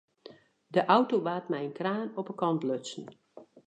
De auto waard mei in kraan op de kant lutsen.